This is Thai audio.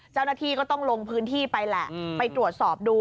เจ้าหน้าที่ก็ต้องลงพื้นที่ไปแหละไปตรวจสอบดู